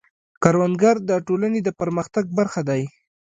کروندګر د ټولنې د پرمختګ برخه دی